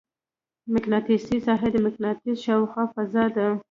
مقناطیسي ساحه د مقناطیس شاوخوا فضا ده.